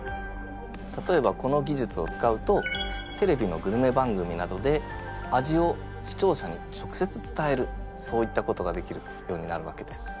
例えばこの技術を使うとテレビのグルメ番組などで味を視聴者に直接伝えるそういったことができるようになるわけです。